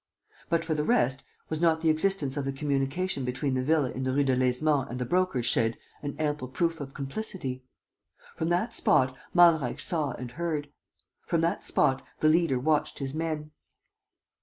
But, for the rest, was not the existence of the communication between the villa in the Rue Delaizement and the Broker's shed an ample proof of complicity? From that spot, Malreich saw and heard. From that spot, the leader watched his men.